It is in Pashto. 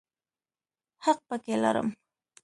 حق پکې لرم.